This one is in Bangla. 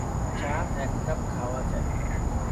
চা এক কাপ খাওয়া যায়।